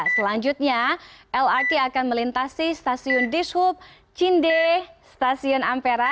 selanjutnya lrt akan melintasi stasiun dishub cinde stasiun ampera